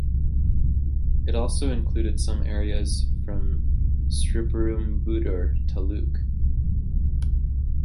It also included some areas from Sriperumbudur Taluk.